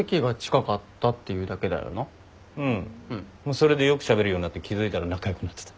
それでよくしゃべるようになって気付いたら仲良くなってた。